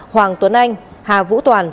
hoàng tuấn anh hà vũ toàn